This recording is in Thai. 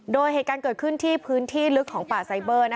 โดยเหตุการณ์เกิดขึ้นที่พื้นที่ลึกของป่าไซเบอร์